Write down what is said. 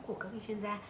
của các chuyên gia